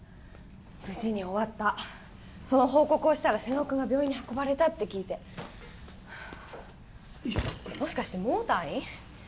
無事に終わったその報告をしたら瀬能君が病院に運ばれたって聞いてもしかしてもう退院？